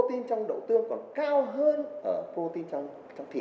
protein trong đậu tương còn cao hơn protein trong thịt